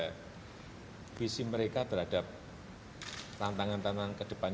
karena visi mereka terhadap tantangan tantangan ke depan